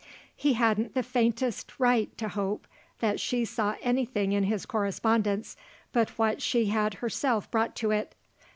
He hadn't the faintest right to hope that she saw anything in his correspondence but what she had herself brought to it.